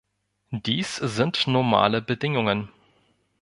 Dies sind normale Bedingungen.